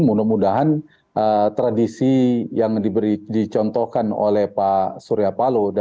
mudah mudahan tradisi yang dicontohkan oleh pak surya palo